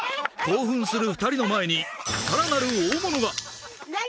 興奮する２人の前にさらなる大物が何？